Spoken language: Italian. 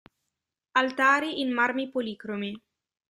Altari in marmi policromi.